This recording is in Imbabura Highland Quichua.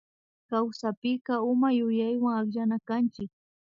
Kawsapika uma yuyaywa akllanakanchik